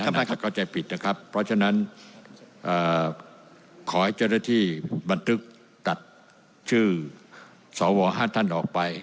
น่าจะเข้าใจผิดนะครับเพราะฉะนั้นขอให้เจ้าหน้าที่บันทึกตัดชื่อสว๕ท่านออกไป